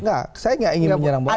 nggak saya nggak ingin menyerang bawaslu